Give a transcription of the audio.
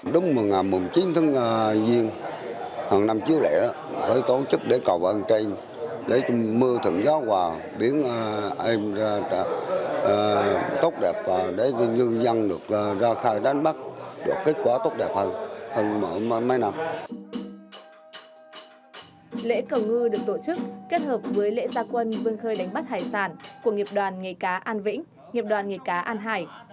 lễ cầu ngư được tổ chức kết hợp với lễ gia quân vươn khơi đánh bắt hải sản của nghiệp đoàn nghề cá an vĩnh nghiệp đoàn nghề cá an hải